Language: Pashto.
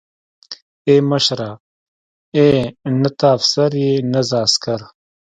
ای مشره ای نه ته افسر يې نه زه عسکر.